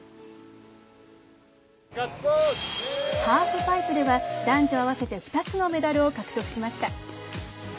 ハーフパイプでは男女合わせて２つのメダルを獲得しました。